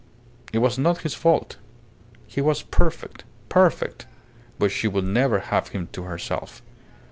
It was not his fault. He was perfect, perfect; but she would never have him to herself.